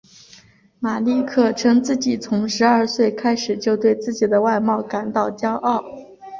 马利克称自己从十二岁开始就对自己的外貌感到骄傲。